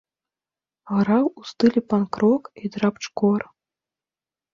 Граў у стылі панк-рок і драбч-кор.